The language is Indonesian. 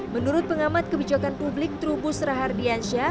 menurut pengamat kebijakan publik trubus rahardiansyah